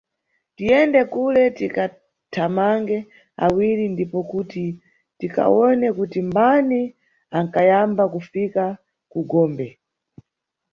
Tiyende kule tikathamange awiri ndipo kuti tikawone kuti mbani anʼkayamba kufika ku gombe.